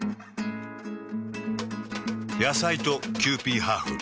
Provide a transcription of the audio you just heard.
野菜とキユーピーハーフ。